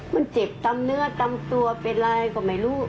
มันเจ็บตามเนื้อตามตัวเป็นอะไรก็ไม่รู้